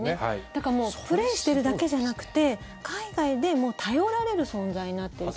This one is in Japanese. だからもうプレーしてるだけじゃなくて海外で頼られる存在になってる。